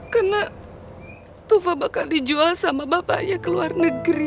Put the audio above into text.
karena tufa bakal dijual sama bapaknya ke luar negeri